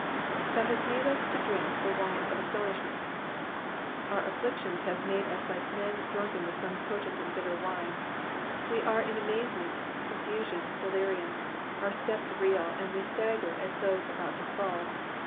''''Thou hast made us to drink the vsine of astonishment,'*'* Our afflictions have made us like men drunken with some potent and bitter wine ; we* are in amazement, confusion, delirium ; our steps reel, and we stagger as those about to fall.